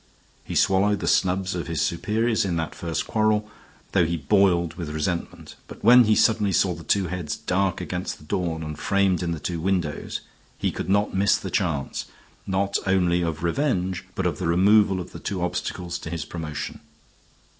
He swallowed the snubs of his superiors in that first quarrel, though he boiled with resentment; but when he suddenly saw the two heads dark against the dawn and framed in the two windows, he could not miss the chance, not only of revenge, but of the removal of the two obstacles to his promotion.